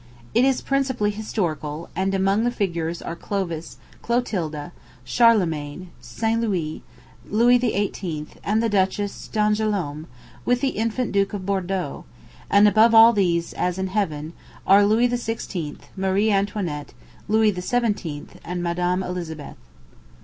It is principally historical; and among the figures are Clovis, Clotilda, Charlemagne, St. Louis, Louis XVIII., and the Duchess d'Angoulême, with the infant Duke of Bourdeaux; and above all these, as in heaven, are Louis XVI., Marie Antoinette, Louis XVII., and Madame Elizabeth.